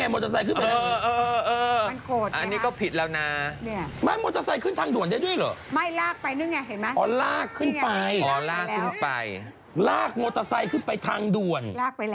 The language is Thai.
มันขึ้นไปได้ยังไงมอเตอร์ไซค์ขึ้นไปได้ยังไง